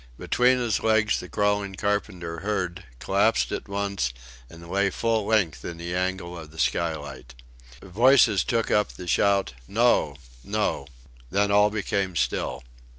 Between his legs the crawling carpenter heard, collapsed at once, and lay full length in the angle of the skylight. Voices took up the shout "No! No!" Then all became still.